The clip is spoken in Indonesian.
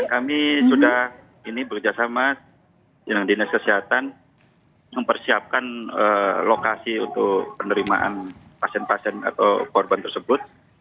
kami sudah ini bekerjasama dengan dinas kesehatan mempersiapkan lokasi untuk penerimaan pasien pasien atau korban tersebut